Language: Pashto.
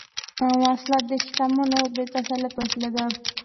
وسله د شتمنو د تسلط وسیله ده